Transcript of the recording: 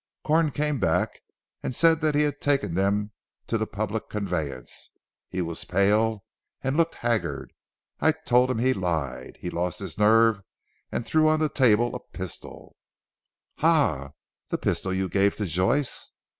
Corn came back and said that he had taken them to the public conveyance. He was pale, and looked haggard. I told him he lied. He lost his nerve and threw on the table a pistol " "Ha! The pistol you gave to Joyce?"